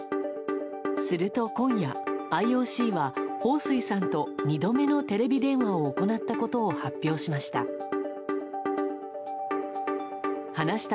すると、今夜ＩＯＣはホウ・スイさんと２度目のテレビ電話を行ったことを発表しました。